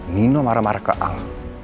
nino marah marah ke al